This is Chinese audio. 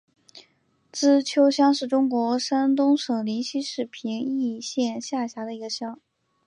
资邱乡是中国山东省临沂市平邑县下辖的一个乡。